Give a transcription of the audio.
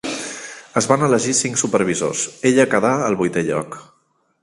Es van elegir cinc supervisors; ella quedà al vuitè lloc.